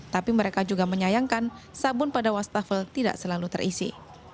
tapi mereka juga menyayangkan sabun pada wastafel tidak selalu terisi